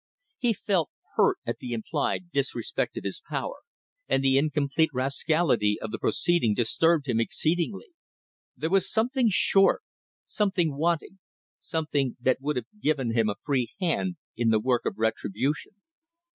He felt hurt at the implied disrespect of his power, and the incomplete rascality of the proceeding disturbed him exceedingly. There was something short, something wanting, something that would have given him a free hand in the work of retribution.